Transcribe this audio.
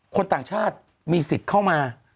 คนต่างชาติมีสิทธิ์เข้ามา